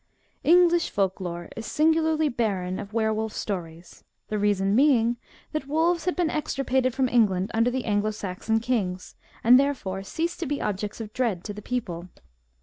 English folk lore is singularly barren of were wolf stories, the reason being that wolves had been extirpated from England under the Anglo Saxon kings, and there fore ceased to be objects of dread to the people.